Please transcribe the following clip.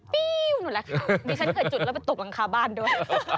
ปี๊วหนูแหละมีฉันเคยจุดแล้วไปตกรังคาบ้านด้วย